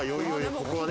ここはね。